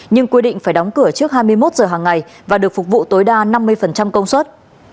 nhưng quy định phải đóng cửa trước hai mươi một giờ hàng ngày và được phục vụ tối đa năm mươi công suất